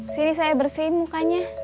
sini saya bersihin mukanya